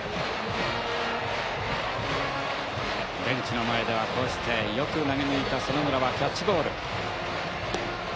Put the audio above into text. ベンチの前ではこうしてよく投げ抜いた園村はキャッチボール。